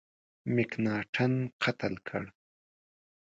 مکناټن قتل کړ.